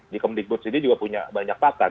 di kemdikbud sendiri juga punya banyak pakar